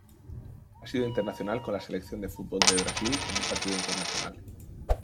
Ha sido internacional con la Selección de fútbol de Brasil en un partido internacional.